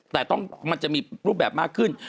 แต่มันจะมีรูปแบบมากขึ้น